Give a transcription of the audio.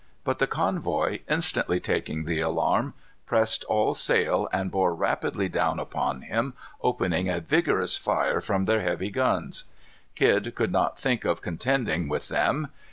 But the convoy, instantly taking the alarm, pressed all sail, and bore rapidly down upon him, opening a vigorous fire from their heavy guns. Kidd could not think of contending with them.